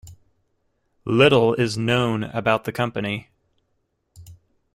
Little is known about the company.